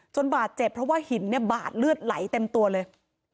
บาดเจ็บเพราะว่าหินเนี่ยบาดเลือดไหลเต็มตัวเลย